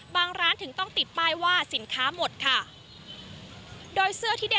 ร้านถึงต้องติดป้ายว่าสินค้าหมดค่ะโดยเสื้อที่ได้